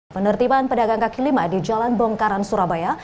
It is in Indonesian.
penertiban pedagang kaki lima di jalan bongkaran surabaya